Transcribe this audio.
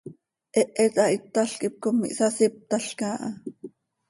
Hehet hahítalc hipcom ihsasíptalca aha.